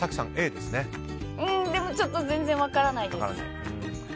でも、ちょっと全然分からないです。